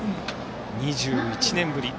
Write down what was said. ２１年ぶり